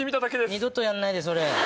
二度とやらないでそれ。